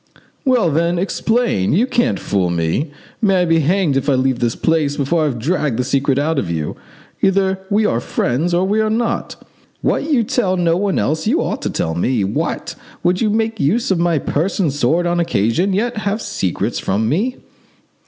"Well, then, explain; you can't fool me! May I be hanged if I leave this place before I have dragged the secret out of you! Either we are friends or we are not. What you tell no one else you ought to tell me. What! would you make use of my purse and my sword on occasion and yet have secrets from me?